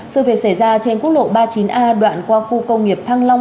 sự việc xảy ra trên quốc lộ ba mươi chín a đoạn qua khu công nghiệp thăng long